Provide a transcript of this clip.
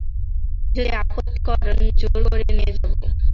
যদি আপত্তি করেন জোর করে নিয়ে যাব।